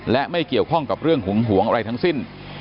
และไม่เกี่ยวข้องกับเรื่องหึงหวงอะไรทั้งสิ้น